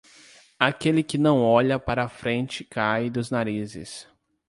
Aquele que não olha para frente cai dos narizes.